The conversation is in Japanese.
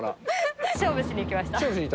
勝負しにいきました。